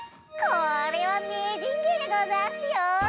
これはめいじんげいでござんすよ！